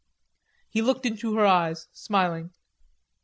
He looked into her eyes, smiling.